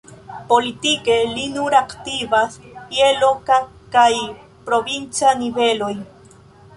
Politike li nur aktivas je loka kaj provinca niveloj.